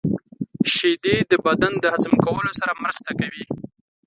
• شیدې د بدن د هضم کولو سره مرسته کوي.